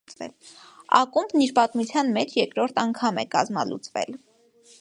Ակումբն իր պատմության մեջ երկրորդ անգամ կազմալեւծվել է։